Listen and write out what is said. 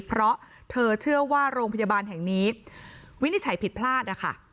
เพราะเธอเชื่อว่าโรงพยาบาลแห่งนี้วินิจฉัยผิดพลาดนะคะ